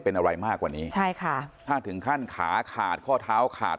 เป็นอะไรมากกว่านี้ใช่ค่ะถ้าถึงขั้นขาขาดข้อเท้าขาด